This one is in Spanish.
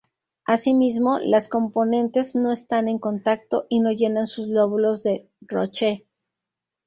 Asimismo, las componentes no están en contacto y no llenan sus lóbulos de Roche.